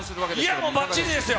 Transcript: いや、もう、ばっちりですよ。